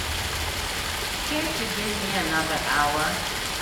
Can't you give me another hour?